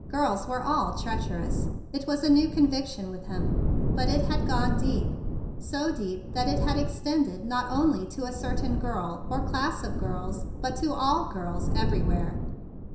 Girls were all treacherous. It was a new conviction with him; but it had gone deep, so deep that it had extended not only to a cer¬ tain girl or class of girls, but to all girls everywhere.